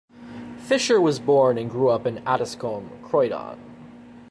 Fisher was born and grew up in Addiscombe, Croydon.